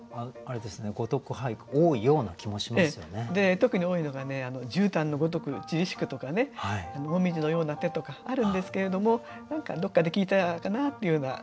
特に多いのがね「じゅうたんの如く散り敷く」とかね「紅葉のような手」とかあるんですけれども何かどこかで聞いたかなというようなフレーズですよね。